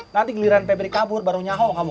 nanti geliran febri kabur baru nyahok kamu